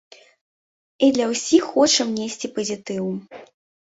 І для ўсіх хочам несці пазітыў.